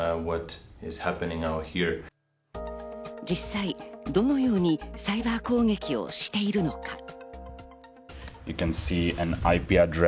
実際どのようにサイバー攻撃をしているのか。